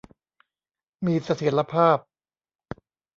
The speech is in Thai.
มีเสถียรภาพ